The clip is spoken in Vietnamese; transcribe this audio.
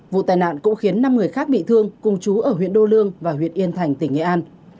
vụ tai nạn cũng khiến năm người khác bị thương cùng chú ở huyện đô lương và huyện yên thành tỉnh nghệ an